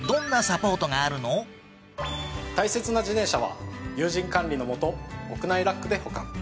大切な自転車は有人管理のもと屋内ラックで保管。